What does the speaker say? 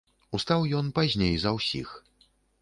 Устаў ён пазней за ўсіх.